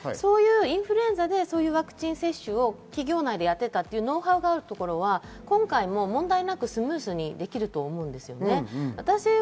インフルエンザでそういうワクチン接種を企業内でやっていたというノウハウが合うところは今回も問題なくスムーズにできると思います。